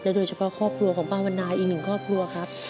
โดยเฉพาะครอบครัวของป้าวันนาอีกหนึ่งครอบครัวครับ